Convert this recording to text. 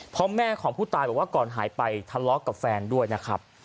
เพราะแม่ของผู้ตายบอกว่าก่อนหายไปทะเลาะกับแฟนด้วยนะครับ